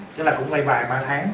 chứ là cũng vây vài ba tháng